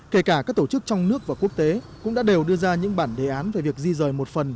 kể cả các tổ chức trong nước và quốc tế cũng đã đều đưa ra những bản đề án về việc di rời một phần